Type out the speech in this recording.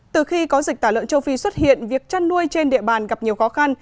từ khi có dịch tả lợn châu phi xuất hiện việc chăn nuôi trên địa bàn gặp nhiều khó khăn